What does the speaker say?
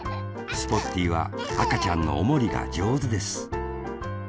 スポッティーはあかちゃんのおもりがじょうずです